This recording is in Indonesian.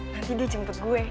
nanti dia jemput gue